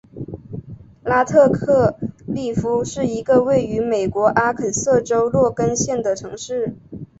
拉特克利夫是一个位于美国阿肯色州洛根县的城市。